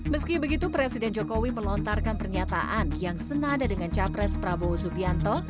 meski begitu presiden jokowi melontarkan pernyataan yang senada dengan capres prabowo supianto